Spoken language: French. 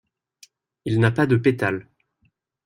Il n'a pas de pétales.